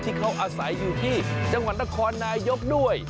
ที่เขาอาศัยอยู่ที่จังหวัดนครนายกด้วย